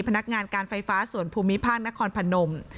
พนักงานการไฟฟ้าส่วนภูมิภาคนครพนม